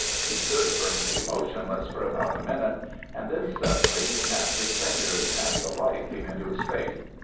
He stood perfectly motionless for about a minute; and then suddenly he snapped his fingers and the light came into his face.